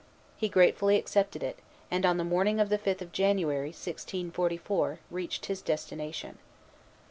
He gratefully accepted it; and, on the morning of the fifth of January, 1644, reached his destination.